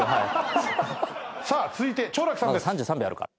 さあ続いて長樂さんです。